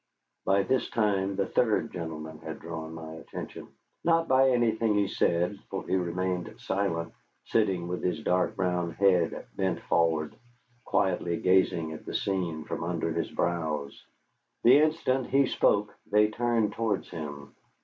By this time the third gentleman had drawn my attention. Not by anything he said, for he remained silent, sitting with his dark brown head bent forward, quietly gazing at the scene from under his brows. The instant he spoke they turned towards him.